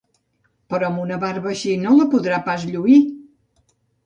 però amb una barba així no la podrà pas lluïr!